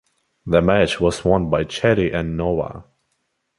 The match was won by Chetti and Nova.